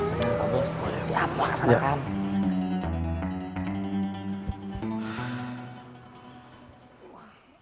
iya pak bos siap